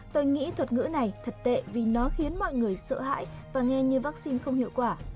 tôi nghĩ thuật ngữ này thật tệ vì nó khiến mọi người sợ hãi và nghe như vaccine không hiệu quả